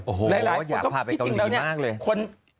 โอ้โหอยากพาไปเกาหลีมากเลย